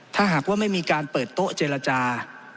ถ้าหากว่าไม่มีการเปิดโต๊ะเจรจา